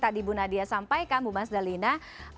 tadi bu nadia sampaikan bu mas dalina